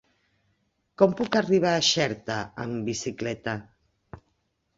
Com puc arribar a Xerta amb bicicleta?